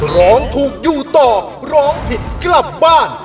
ร้องถูกอยู่ต่อร้องผิดกลับบ้าน